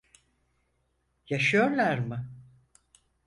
Yaşıyorlar mı?